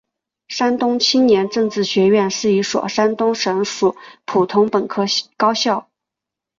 山东青年政治学院是一所山东省属普通本科高校。